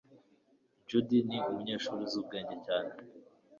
Judy ni umunyeshuri uzi ubwenge cyane.